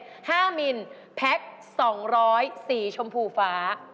๕มิลลิเมตรแพ็กส์๒๐๔สีชมพูฟ้า